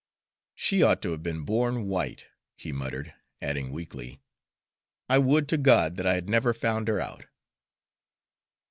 "She ought to have been born white," he muttered, adding weakly, "I would to God that I had never found her out!"